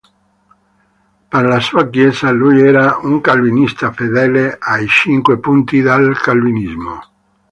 Per la sua chiesa lui era un calvinista fedele ai cinque punti del Calvinismo.